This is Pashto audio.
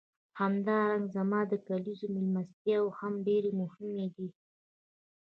همدارنګه زما د کلیزو میلمستیاوې هم ډېرې مهمې دي.